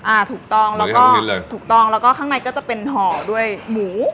อ่าถูกต้องแล้วก็ถูกต้องแล้วก็ข้างในก็จะเป็นห่อด้วยหมู